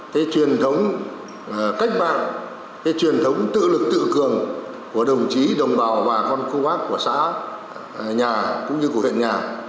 cái truyền thống cách mạng cái truyền thống tự lực tự cường của đồng chí đồng bào và con khu vác của xã nhà cũng như của huyện nhà